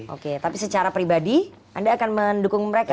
oke tapi secara pribadi anda akan mendukung mereka